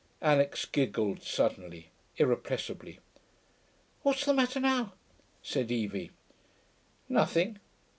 Alix giggled suddenly, irrepressibly. 'What's the matter now?' said Evie. 'Nothing.